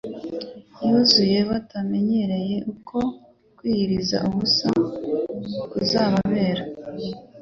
yuzuye batamenyereye. Uko kwiyiriza ubusa kuzababera